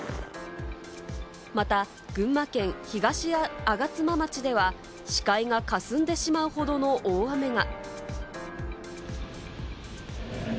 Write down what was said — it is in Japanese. また群馬県東吾妻町では、視界がかすんでしまうほどの大雨が。